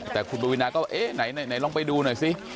แต่คุณปอวินนาก็อะไรครับลองไปดูหน่อยสิ